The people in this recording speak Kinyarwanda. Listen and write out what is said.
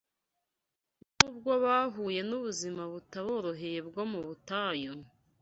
Nubwo bahuye n’ubuzima butaboroheye bwo mu butayu,